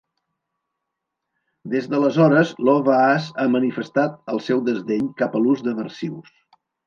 Des de l'aleshores Lovaas ha manifestat el seu desdeny cap a l'ús d'aversius.